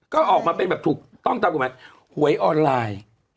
ก็ออกมาเป็นแบบถูกต้องตามกฎหมายหวยออนไลน์